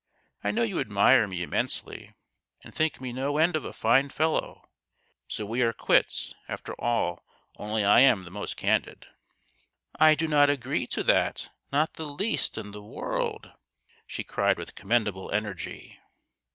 " I know you admire me immensely, and think me no end of a fine fellow ; so we are quits after all only I am the most candid." " I do not agree to that not the least in the world," she cried with commendable energy.